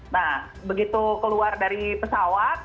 nah begitu keluar dari pesawat